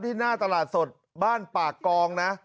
หน้าตลาดสดบ้านปากกองนะ